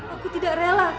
aku tidak rela